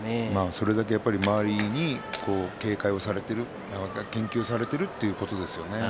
それだけ周りに警戒をされている、研究されているということですね。